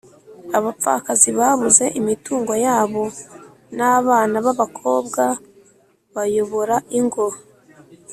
abapfakazi babuze imitungo yabo n'abana b'abakobwa bayobora ingo